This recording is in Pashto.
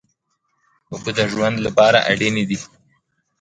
اوبه د ژوند لپاره اړینې دي.